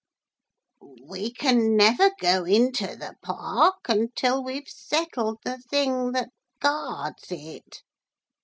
We never can go into the park, until we've settled the thing that guards it.